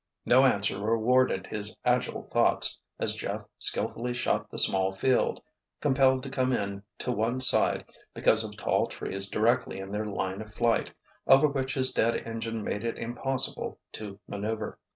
No answer rewarded his agile thoughts as Jeff skilfully shot the small field, compelled to come in to one side because of tall trees directly in their line of flight, over which his dead engine made it impossible to maneuver.